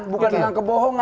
bukan dengan kebohongan